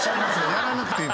やらなくていい。